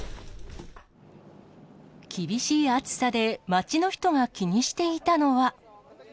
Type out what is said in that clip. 厳しい暑さで、街の人が気にしていたのは。